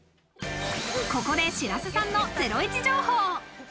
ここで白洲さんのゼロイチ情報。